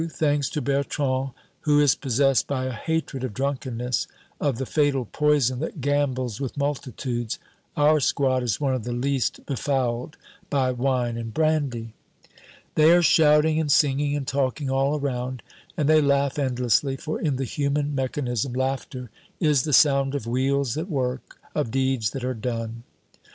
Thanks to Bertrand, who is possessed by a hatred of drunkenness, of the fatal poison that gambles with multitudes, our squad is one of the least befouled by wine and brandy. They are shouting and singing and talking all around. And they laugh endlessly, for in the human mechanism laughter is the sound of wheels that work, of deeds that are done.